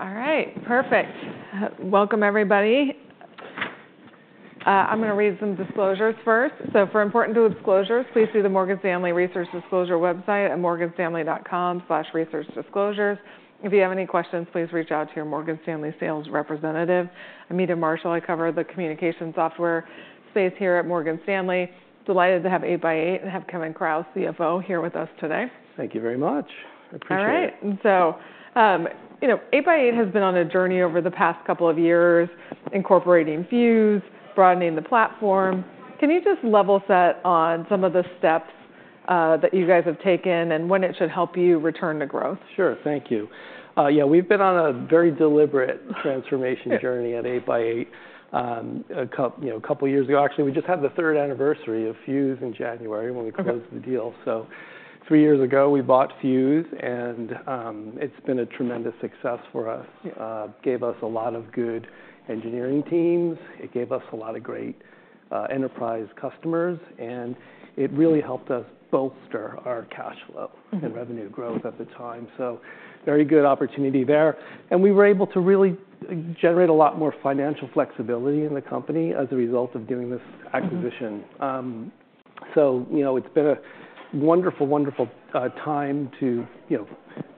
All right, perfect. Welcome, everybody. I'm going to read some disclosures first. For important disclosures, please see the Morgan Stanley Research Disclosure website at morganstanley.com/researchdisclosures. If you have any questions, please reach out to your Morgan Stanley sales representative. I'm Meta Marshall. I cover the communication software space here at Morgan Stanley. Delighted to have 8x8 and have Kevin Kraus, CFO, here with us today. Thank you very much. I appreciate it. All right. You know, 8x8 has been on a journey over the past couple of years, incorporating Fuze, broadening the platform. Can you just level set on some of the steps that you guys have taken and when it should help you return to growth? Sure, thank you. Yeah, we've been on a very deliberate transformation journey at 8x8. You know, a couple of years ago, actually, we just had the third anniversary of Fuze in January when we closed the deal. Three years ago, we bought Fuze, and it's been a tremendous success for us. It gave us a lot of good engineering teams. It gave us a lot of great enterprise customers, and it really helped us bolster our cash flow and revenue growth at the time. Very good opportunity there. We were able to really generate a lot more financial flexibility in the company as a result of doing this acquisition. You know, it's been a wonderful, wonderful time to, you know,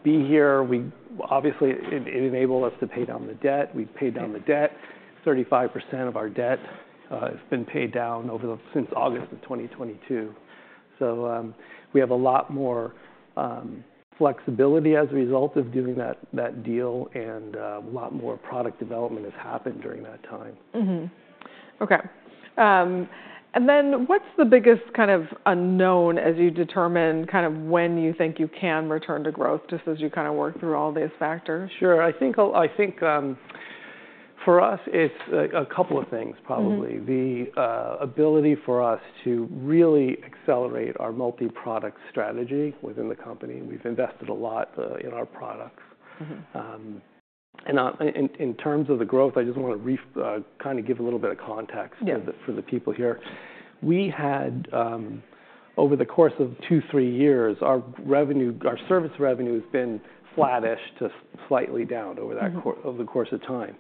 be here. We obviously, it enabled us to pay down the debt. We paid down the debt. 35% of our debt has been paid down since August of 2022. We have a lot more flexibility as a result of doing that deal, and a lot more product development has happened during that time. Okay. What is the biggest kind of unknown as you determine kind of when you think you can return to growth, just as you kind of work through all these factors? Sure. I think for us, it's a couple of things, probably. The ability for us to really accelerate our multi-product strategy within the company. We've invested a lot in our products. In terms of the growth, I just want to kind of give a little bit of context for the people here. We had, over the course of two, three years, our service revenue has been flattish to slightly down over the course of time.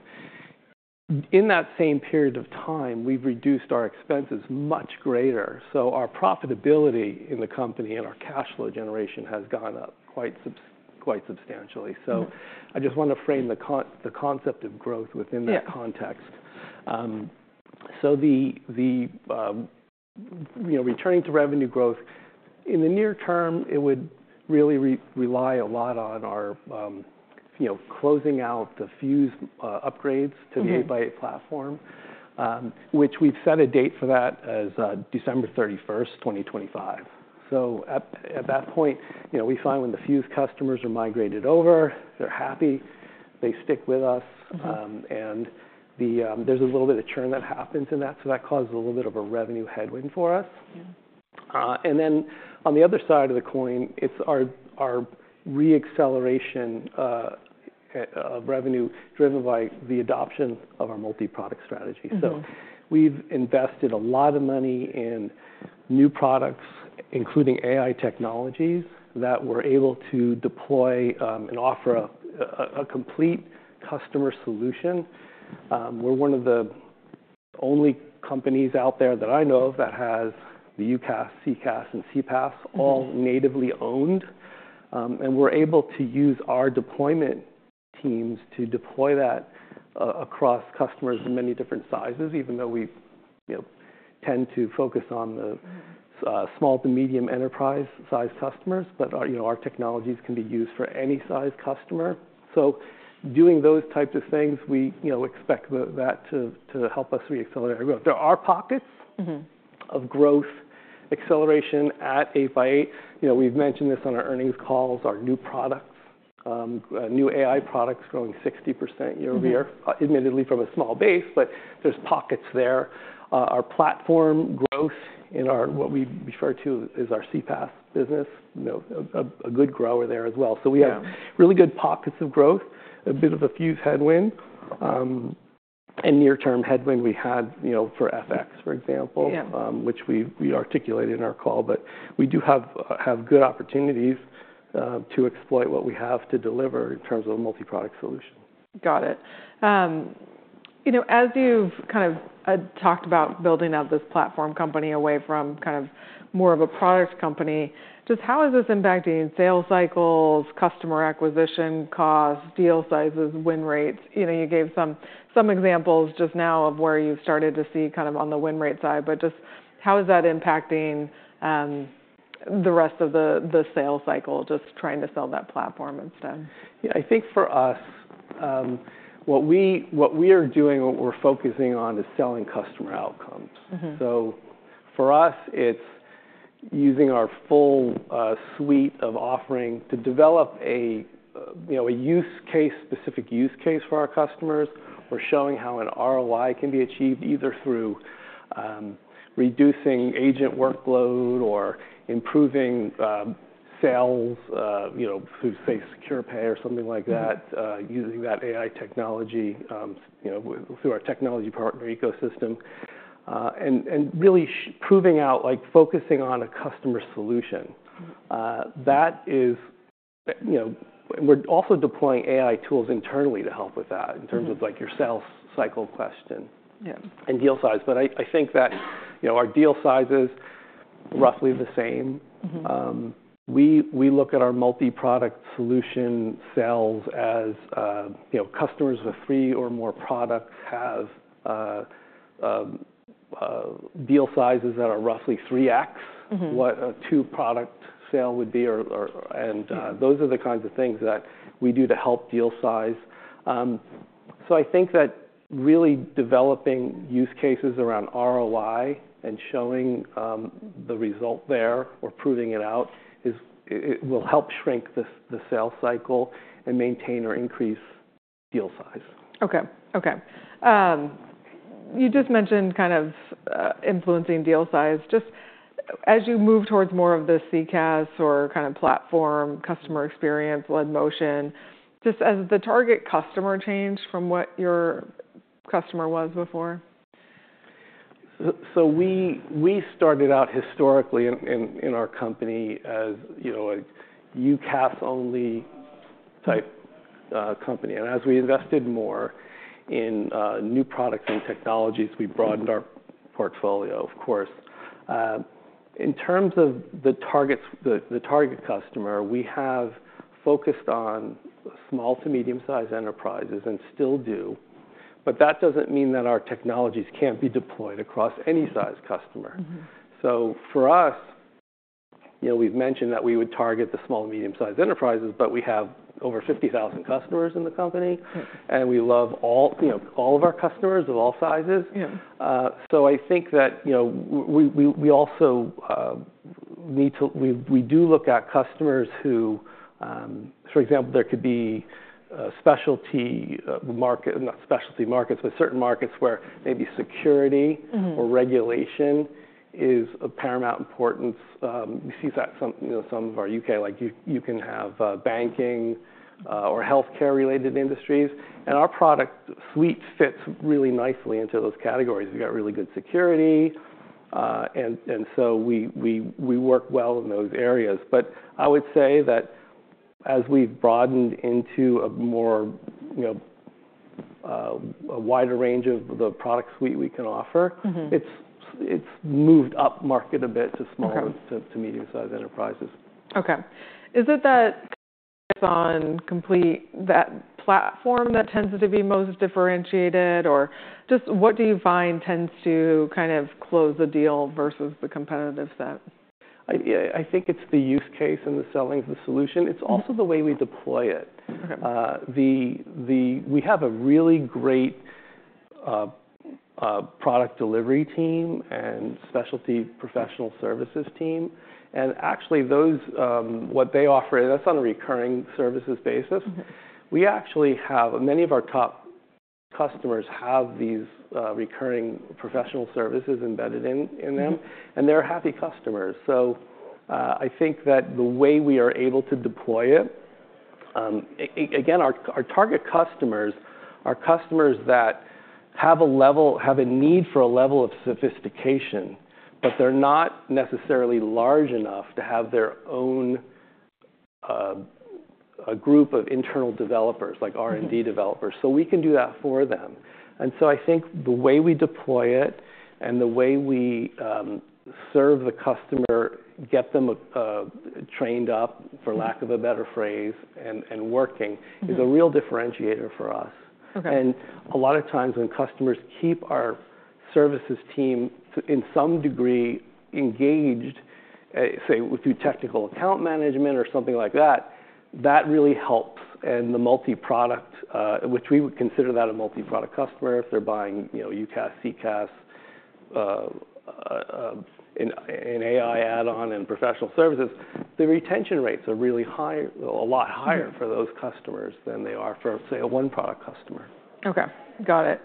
In that same period of time, we've reduced our expenses much greater. Our profitability in the company and our cash flow generation has gone up quite substantially. I just want to frame the concept of growth within that context. You know, returning to revenue growth, in the near term, it would really rely a lot on our, you know, closing out the Fuze upgrades to the 8x8 platform, which we've set a date for that as December 31, 2025. At that point, you know, we find when the Fuze customers are migrated over, they're happy, they stick with us, and there's a little bit of churn that happens in that. That causes a little bit of a revenue headwind for us. On the other side of the coin, it's our re-acceleration of revenue driven by the adoption of our multi-product strategy. We've invested a lot of money in new products, including AI technologies, that we're able to deploy and offer a complete customer solution. We're one of the only companies out there that I know of that has the UCaaS, CCaaS, and CPaaS, all natively owned. We're able to use our deployment teams to deploy that across customers of many different sizes, even though we, you know, tend to focus on the small to medium enterprise-sized customers. You know, our technologies can be used for any size customer. Doing those types of things, we, you know, expect that to help us re-accelerate our growth. There are pockets of growth acceleration at 8x8. You know, we've mentioned this on our earnings calls. Our new products, new AI products, growing 60% year over year, admittedly from a small base, but there's pockets there. Our platform growth in our, what we refer to as our CPaaS business, a good grower there as well. We have really good pockets of growth, a bit of a Fuze headwind, and near-term headwind we had, you know, for FX, for example, which we articulated in our call. We do have good opportunities to exploit what we have to deliver in terms of a multi-product solution. Got it. You know, as you've kind of talked about building out this platform company away from kind of more of a product company, just how is this impacting sales cycles, customer acquisition costs, deal sizes, win rates? You know, you gave some examples just now of where you've started to see kind of on the win rate side. Just how is that impacting the rest of the sales cycle, just trying to sell that platform instead? Yeah, I think for us, what we are doing, what we're focusing on, is selling customer outcomes. For us, it's using our full suite of offering to develop a, you know, a use case, specific use case for our customers. We're showing how an ROI can be achieved either through reducing agent workload or improving sales, you know, through, say, SecurePay or something like that, using that AI technology, you know, through our technology partner ecosystem. Really proving out, like, focusing on a customer solution. That is, you know, we're also deploying AI tools internally to help with that in terms of, like, your sales cycle question and deal size. I think that, you know, our deal size is roughly the same. We look at our multi-product solution sales as, you know, customers with three or more products have deal sizes that are roughly 3x what a two-product sale would be. Those are the kinds of things that we do to help deal size. I think that really developing use cases around ROI and showing the result there or proving it out will help shrink the sales cycle and maintain or increase deal size. Okay, okay. You just mentioned kind of influencing deal size. Just as you move towards more of the CCaaS or kind of platform customer experience-led motion, has the target customer changed from what your customer was before? We started out historically in our company as, you know, a UCaaS-only type company. As we invested more in new products and technologies, we broadened our portfolio, of course. In terms of the target customer, we have focused on small to medium-sized enterprises and still do. That does not mean that our technologies cannot be deployed across any size customer. For us, you know, we have mentioned that we would target the small to medium-sized enterprises, but we have over 50,000 customers in the company, and we love all of our customers of all sizes. I think that, you know, we also need to, we do look at customers who, for example, there could be specialty markets, not specialty markets, but certain markets where maybe security or regulation is of paramount importance. You see that in some of our U.K., like, you can have banking or healthcare-related industries. And our product suite fits really nicely into those categories. We've got really good security. And so, we work well in those areas. I would say that as we've broadened into a more, you know, a wider range of the product suite we can offer, it's moved up market a bit to small to medium-sized enterprises. Okay. Is it that focus on complete, that platform that tends to be most differentiated, or just what do you find tends to kind of close the deal versus the competitive set? I think it's the use case and the selling of the solution. It's also the way we deploy it. We have a really great product delivery team and specialty professional services team. Actually, what they offer, that's on a recurring services basis. We actually have, many of our top customers have these recurring professional services embedded in them, and they're happy customers. I think that the way we are able to deploy it, again, our target customers are customers that have a level, have a need for a level of sophistication, but they're not necessarily large enough to have their own group of internal developers, like R&D developers. We can do that for them. I think the way we deploy it and the way we serve the customer, get them trained up, for lack of a better phrase, and working is a real differentiator for us. A lot of times when customers keep our services team in some degree engaged, say, through technical account management or something like that, that really helps. The multi-product, which we would consider that a multi-product customer, if they're buying, you know, UCaaS, CCaaS, an AI add-on and professional services, the retention rates are really high, a lot higher for those customers than they are for, say, a one-product customer. Okay, got it.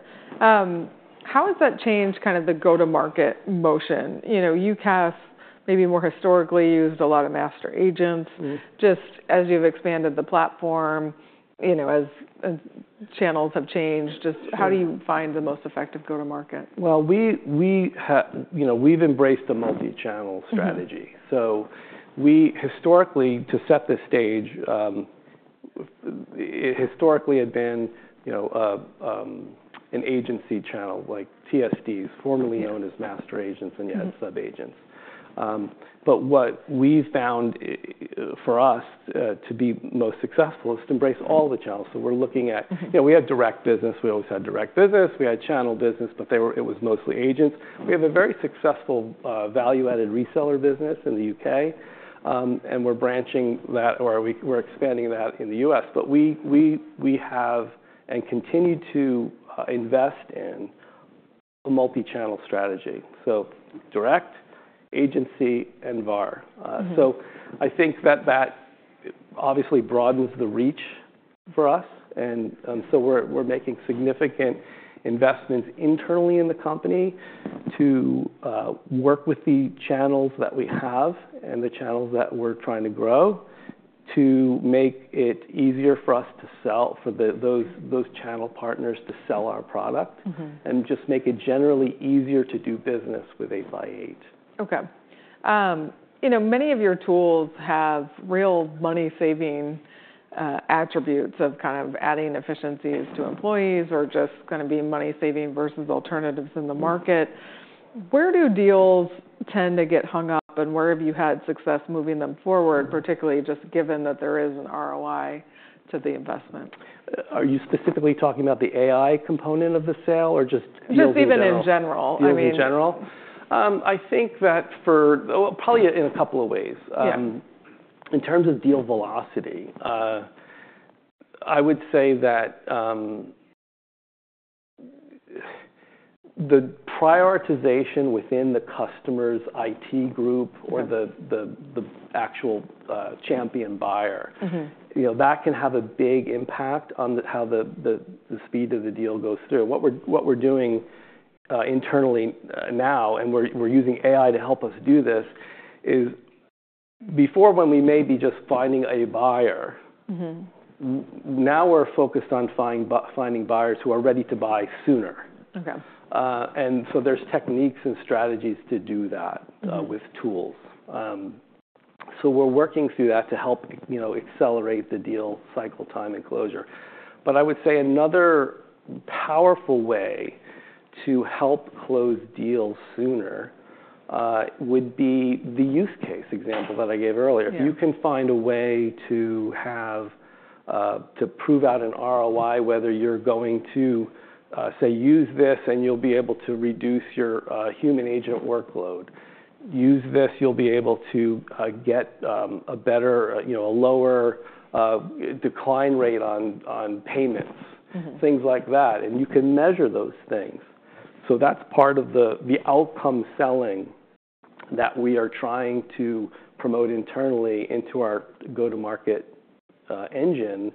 How has that changed kind of the go-to-market motion? You know, UCaaS maybe more historically used a lot of master agents. Just as you've expanded the platform, you know, as channels have changed, just how do you find the most effective go-to-market? We have, you know, we've embraced a multi-channel strategy. Historically, to set the stage, historically had been, you know, an agency channel, like TSDs, formerly known as master agents, and yet sub-agents. What we've found for us to be most successful is to embrace all the channels. We're looking at, you know, we had direct business. We always had direct business. We had channel business, but it was mostly agents. We have a very successful value-added reseller business in the U.K., and we're branching that, or we're expanding that in the U.S. We have and continue to invest in a multi-channel strategy. Direct, agency, and VAR. I think that that obviously broadens the reach for us. We're making significant investments internally in the company to work with the channels that we have and the channels that we're trying to grow to make it easier for us to sell, for those channel partners to sell our product and just make it generally easier to do business with 8x8. Okay. You know, many of your tools have real money-saving attributes of kind of adding efficiencies to employees or just kind of being money-saving versus alternatives in the market. Where do deals tend to get hung up, and where have you had success moving them forward, particularly just given that there is an ROI to the investment? Are you specifically talking about the AI component of the sale or just? Just even in general. Just even in general? I think that for probably in a couple of ways. In terms of deal velocity, I would say that the prioritization within the customer's IT group or the actual champion buyer, you know, that can have a big impact on how the speed of the deal goes through. What we're doing internally now, and we're using AI to help us do this, is before when we may be just finding a buyer, now we're focused on finding buyers who are ready to buy sooner. There are techniques and strategies to do that with tools. We're working through that to help, you know, accelerate the deal cycle time and closure. I would say another powerful way to help close deals sooner would be the use case example that I gave earlier. If you can find a way to prove out an ROI, whether you're going to, say, use this and you'll be able to reduce your human agent workload, use this, you'll be able to get a better, you know, a lower decline rate on payments, things like that. You can measure those things. That's part of the outcome selling that we are trying to promote internally into our go-to-market engine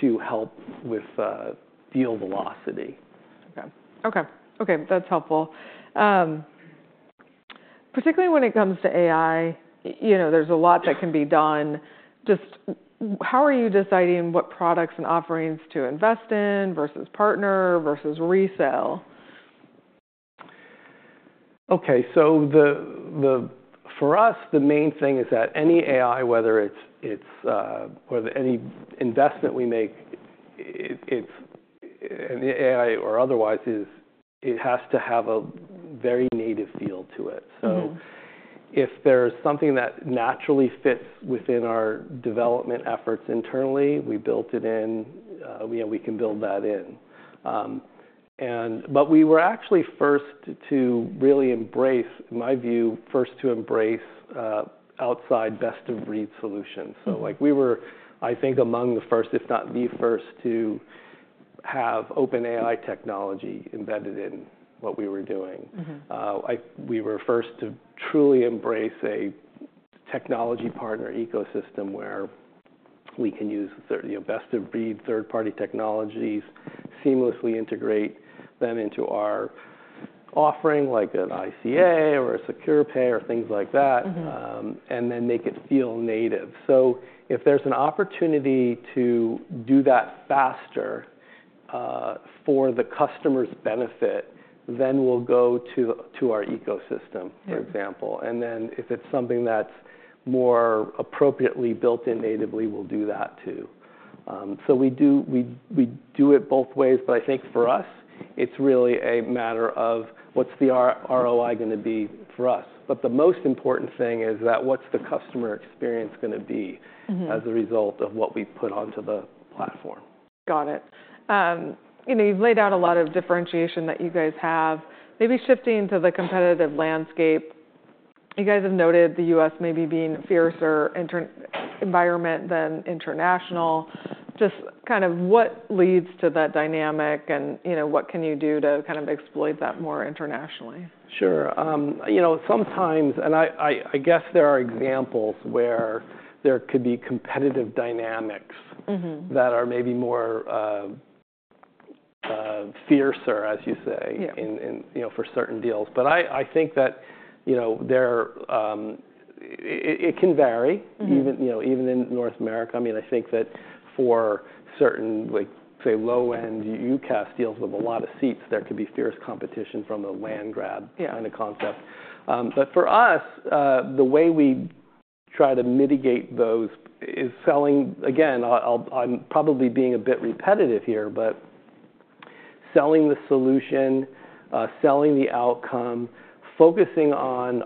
to help with deal velocity. Okay, okay, okay. That's helpful. Particularly when it comes to AI, you know, there's a lot that can be done. Just how are you deciding what products and offerings to invest in versus partner versus resell? Okay, for us, the main thing is that any AI, whether it's any investment we make, it's an AI or otherwise, it has to have a very native feel to it. If there's something that naturally fits within our development efforts internally, we built it in, you know, we can build that in. We were actually first to really embrace, in my view, first to embrace outside best-of-breed solutions. Like, we were, I think, among the first, if not the first, to have OpenAI technology embedded in what we were doing. We were first to truly embrace a technology partner ecosystem where we can use best-of-breed third-party technologies, seamlessly integrate them into our offering, like an ICA or a SecurePay or things like that, and then make it feel native. If there's an opportunity to do that faster for the customer's benefit, then we'll go to our ecosystem, for example. If it's something that's more appropriately built in natively, we'll do that too. We do it both ways. I think for us, it's really a matter of what's the ROI going to be for us. The most important thing is that what's the customer experience going to be as a result of what we put onto the platform. Got it. You know, you've laid out a lot of differentiation that you guys have. Maybe shifting to the competitive landscape, you guys have noted the U.S. maybe being a fiercer environment than international. Just kind of what leads to that dynamic and, you know, what can you do to kind of exploit that more internationally? Sure. You know, sometimes, and I guess there are examples where there could be competitive dynamics that are maybe more fierce, as you say, you know, for certain deals. I think that, you know, it can vary, you know, even in North America. I mean, I think that for certain, like, say, low-end UCaaS deals with a lot of seats, there could be fierce competition from a land grab kind of concept. For us, the way we try to mitigate those is selling, again, I'm probably being a bit repetitive here, but selling the solution, selling the outcome, focusing on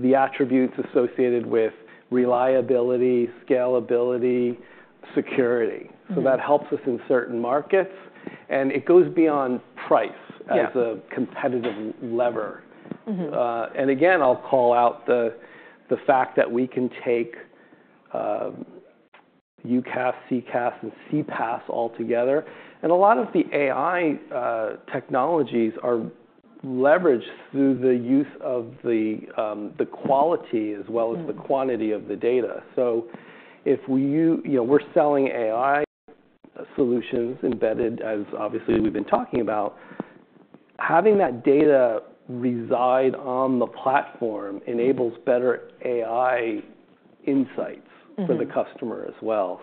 the attributes associated with reliability, scalability, security. That helps us in certain markets. It goes beyond price as a competitive lever. Again, I'll call out the fact that we can take UCaaS, CCaaS, and CPaaS altogether. A lot of the AI technologies are leveraged through the use of the quality as well as the quantity of the data. If we, you know, we're selling AI solutions embedded, as obviously we've been talking about, having that data reside on the platform enables better AI insights for the customer as well.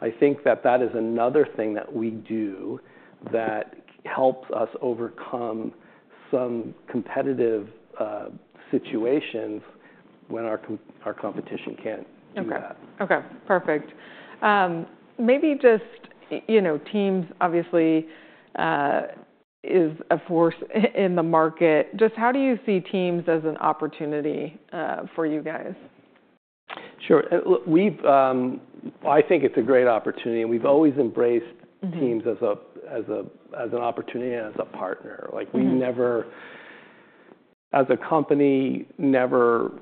I think that that is another thing that we do that helps us overcome some competitive situations when our competition can't do that. Okay, perfect. Maybe just, you know, Teams obviously is a force in the market. Just how do you see Teams as an opportunity for you guys? Sure. I think it's a great opportunity. We've always embraced Teams as an opportunity and as a partner. Like, we've never, as a company, never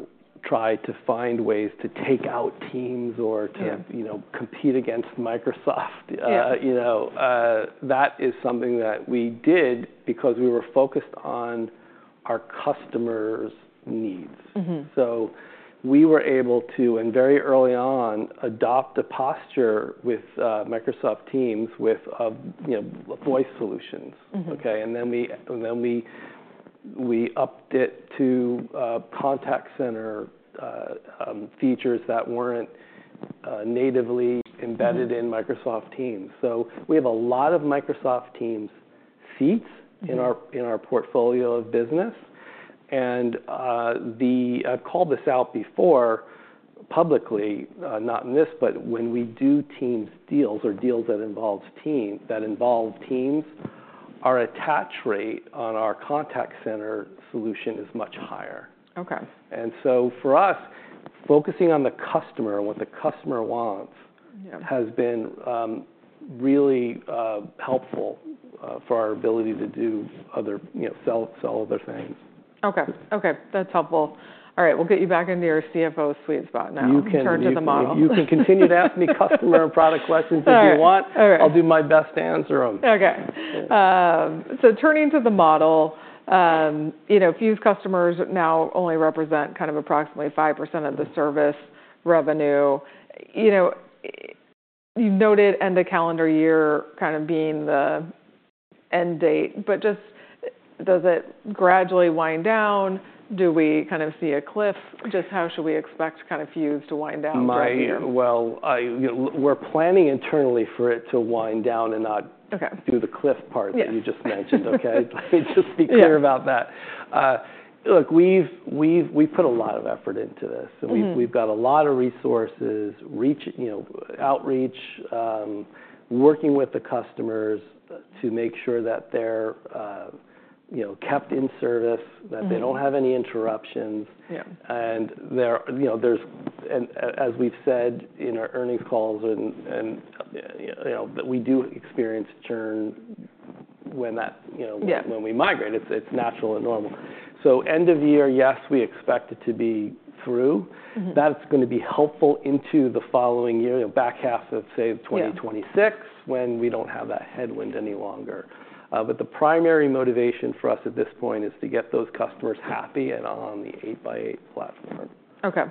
tried to find ways to take out Teams or to, you know, compete against Microsoft. You know, that is something that we did because we were focused on our customer's needs. We were able to, and very early on, adopt a posture with Microsoft Teams with, you know, voice solutions, okay? We update to contact center features that weren't natively embedded in Microsoft Teams. We have a lot of Microsoft Teams seats in our portfolio of business. I've called this out before publicly, not in this, but when we do Teams deals or deals that involve Teams, our attach rate on our contact center solution is much higher. For us, focusing on the customer and what the customer wants has been really helpful for our ability to do other, you know, sell other things. Okay, okay. That's helpful. All right, we'll get you back into your CFO sweet spot now in terms of the model. You can continue to ask me customer and product questions if you want. I'll do my best to answer them. Okay. So, turning to the model, you know, Fuze customers now only represent kind of approximately 5% of the service revenue. You know, you've noted end of calendar year kind of being the end date, but just does it gradually wind down? Do we kind of see a cliff? Just how should we expect kind of Fuze to wind down from here? We're planning internally for it to wind down and not do the cliff part that you just mentioned, okay? Let me just be clear about that. Look, we've put a lot of effort into this. We've got a lot of resources, you know, outreach, working with the customers to make sure that they're, you know, kept in service, that they don't have any interruptions. And there, you know, there's, as we've said in our earnings calls, and you know, we do experience churn when that, you know, when we migrate. It's natural and normal. End of year, yes, we expect it to be through. That's going to be helpful into the following year, the back half of, say, 2026 when we don't have that headwind any longer. The primary motivation for us at this point is to get those customers happy and on the 8x8 platform. Okay.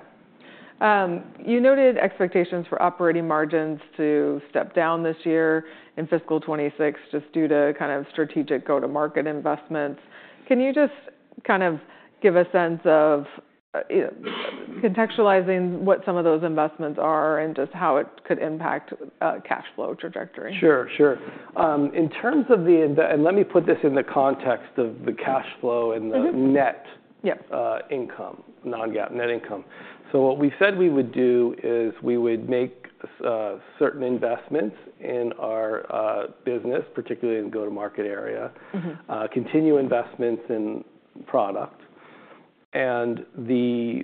You noted expectations for operating margins to step down this year in fiscal 2026 just due to kind of strategic go-to-market investments. Can you just kind of give a sense of contextualizing what some of those investments are and just how it could impact cash flow trajectory? Sure, sure. In terms of the, and let me put this in the context of the cash flow and the net income, non-GAAP net income. What we've said we would do is we would make certain investments in our business, particularly in the go-to-market area, continue investments in product. The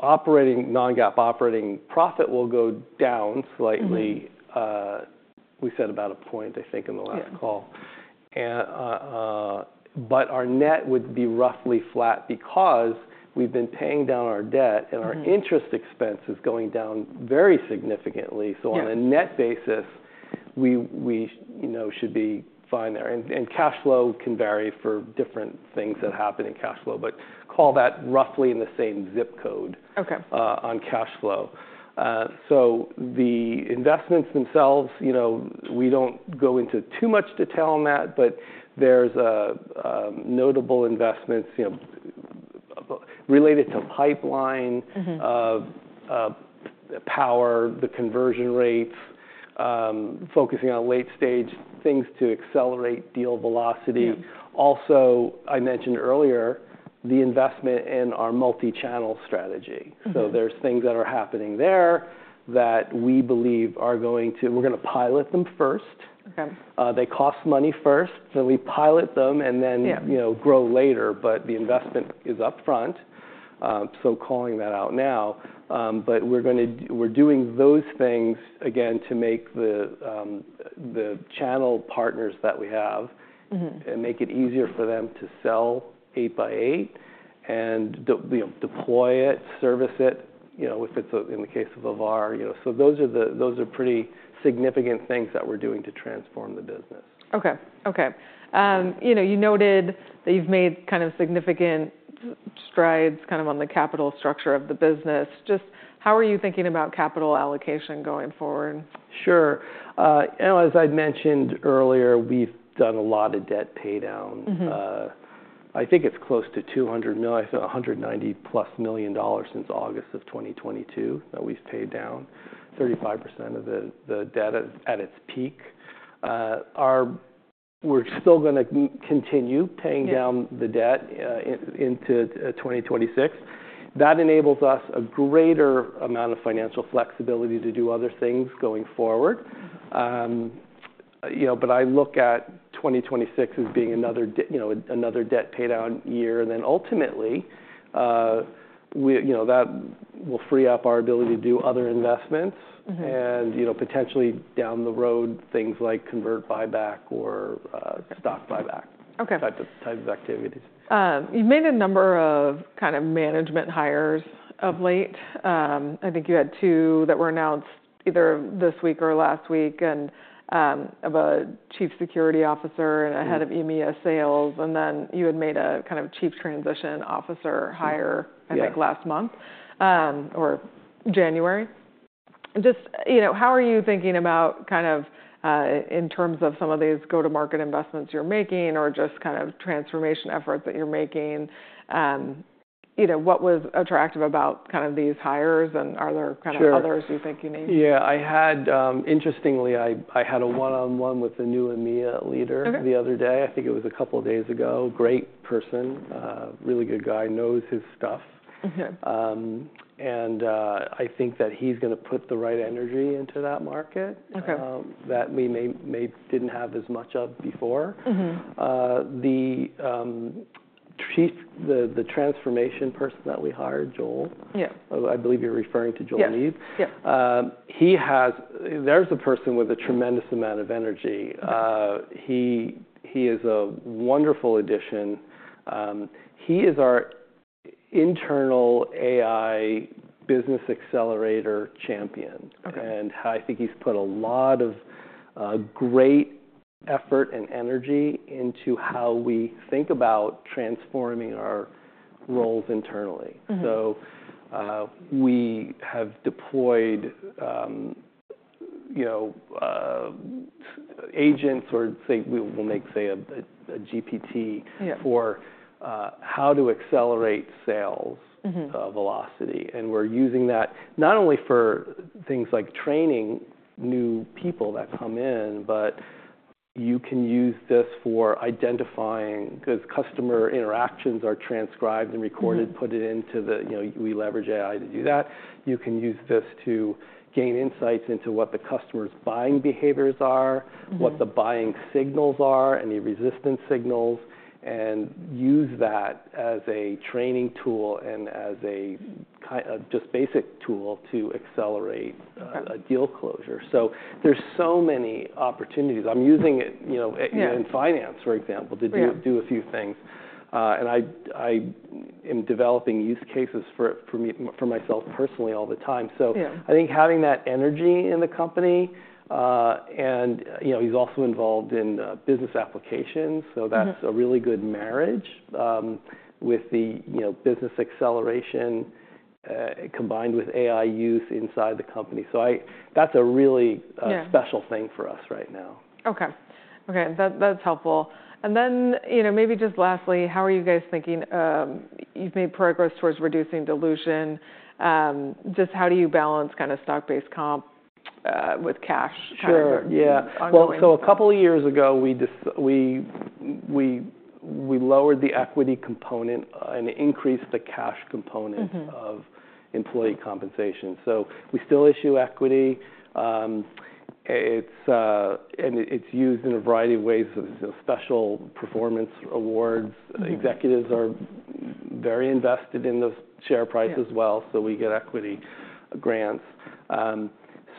operating non-GAAP operating profit will go down slightly. We said about a point, I think, in the last call. Our net would be roughly flat because we've been paying down our debt and our interest expense is going down very significantly. On a net basis, we, you know, should be fine there. Cash flow can vary for different things that happen in cash flow, but call that roughly in the same zip code on cash flow. The investments themselves, you know, we do not go into too much detail on that, but there are notable investments, you know, related to pipeline, power, the conversion rates, focusing on late stage things to accelerate deal velocity. Also, I mentioned earlier, the investment in our multi-channel strategy. There are things that are happening there that we believe are going to, we are going to pilot them first. They cost money first, then we pilot them and then, you know, grow later, but the investment is upfront. Calling that out now. We are doing those things again to make the channel partners that we have and make it easier for them to sell 8x8 and deploy it, service it, you know, if it is in the case of a VAR, you know. Those are pretty significant things that we are doing to transform the business. Okay, okay. You know, you noted that you've made kind of significant strides kind of on the capital structure of the business. Just how are you thinking about capital allocation going forward? Sure. You know, as I mentioned earlier, we've done a lot of debt paydown. I think it's close to $200 million, I think $190 plus million since August of 2022 that we've paid down, 35% of the debt at its peak. We're still going to continue paying down the debt into 2026. That enables us a greater amount of financial flexibility to do other things going forward. You know, I look at 2026 as being another debt paydown year. Ultimately, you know, that will free up our ability to do other investments and, you know, potentially down the road, things like convert buyback or stock buyback type of activities. You've made a number of kind of management hires of late. I think you had two that were announced either this week or last week and of a Chief Security Officer and a head of EMEA sales. Then you had made a kind of Chief Transition Officer hire, I think, last month or January. Just, you know, how are you thinking about kind of in terms of some of these go-to-market investments you're making or just kind of transformation efforts that you're making? You know, what was attractive about kind of these hires and are there kind of others you think you need? Yeah, I had, interestingly, I had a one-on-one with the new EMEA leader the other day. I think it was a couple of days ago. Great person, really good guy, knows his stuff. I think that he's going to put the right energy into that market that we maybe didn't have as much of before. The transformation person that we hired, Joel, I believe you're referring to Joel Neeb. He has, there's a person with a tremendous amount of energy. He is a wonderful addition. He is our internal AI business accelerator champion. I think he's put a lot of great effort and energy into how we think about transforming our roles internally. We have deployed, you know, agents or say we'll make, say, a GPT for how to accelerate sales velocity. We're using that not only for things like training new people that come in, but you can use this for identifying because customer interactions are transcribed and recorded, put it into the, you know, we leverage AI to do that. You can use this to gain insights into what the customer's buying behaviors are, what the buying signals are, any resistance signals, and use that as a training tool and as a just basic tool to accelerate a deal closure. There are so many opportunities. I'm using it, you know, in finance, for example, to do a few things. I am developing use cases for myself personally all the time. I think having that energy in the company and, you know, he's also involved in business applications. That's a really good marriage with the, you know, business acceleration combined with AI use inside the company. That's a really special thing for us right now. Okay, okay. That's helpful. You know, maybe just lastly, how are you guys thinking? You've made progress towards reducing dilution. Just how do you balance kind of stock-based comp with cash? Sure, yeah. A couple of years ago, we lowered the equity component and increased the cash component of employee compensation. We still issue equity. It's used in a variety of ways. Special performance awards. Executives are very invested in those share prices as well. We get equity grants.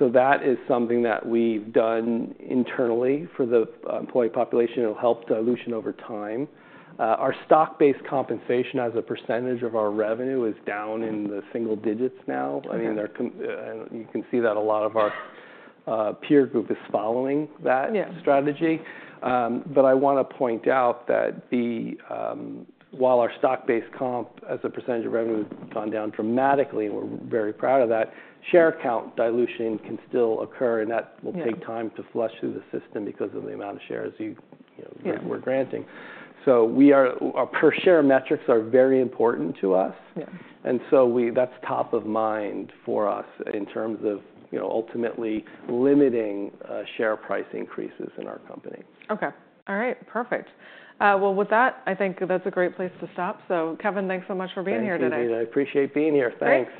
That is something that we've done internally for the employee population. It'll help dilution over time. Our stock-based compensation as a percentage of our revenue is down in the single digits now. I mean, you can see that a lot of our peer group is following that strategy. I want to point out that while our stock-based comp as a percentage of revenue has gone down dramatically, and we're very proud of that, share count dilution can still occur, and that will take time to flush through the system because of the amount of shares we're granting. Our per share metrics are very important to us. That is top of mind for us in terms of, you know, ultimately limiting share price increases in our company. Okay. All right. Perfect. With that, I think that's a great place to stop. Kevin, thanks so much for being here today. I appreciate being here. Thanks.